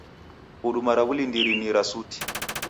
Huduma ra w'ulindiri ni ra suti.